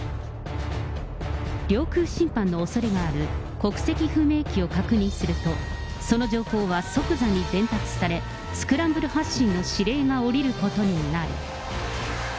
領空侵犯のおそれがある国籍不明機を確認すると、その情報は即座に伝達され、スクランブル発進の指令が下りることになる。